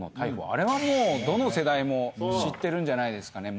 あれはもうどの世代も知ってるんじゃないですかね